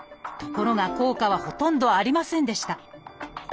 ところが効果はほとんどありませんでした。